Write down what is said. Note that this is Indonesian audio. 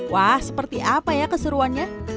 wah seperti apa ya keseruannya